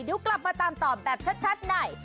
เดี๋ยวกลับมาตามตอบแบบชัดใน